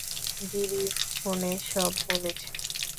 গিরি ফোনে সব বলেছে।